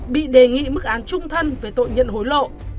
bị đề nghị mức án trung thân về tội nhận hối lộ